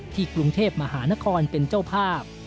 กรุงเทพมหานครเป็นเจ้าภาพ